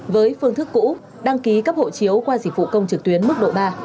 với phương thức cũ đăng ký cấp hộ chiếu qua dịch vụ công trực tuyến mức độ ba